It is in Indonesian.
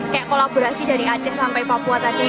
kayak kolaborasi dari aceh sampai papua tadi